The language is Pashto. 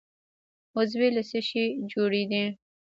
عضوې له څه شي جوړې دي؟